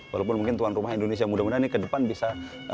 walaupun mungkin tuan rumah indonesia mudah mudahan ini ke depan bisa